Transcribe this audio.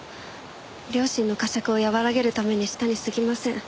良心の呵責を和らげるためにしたにすぎません。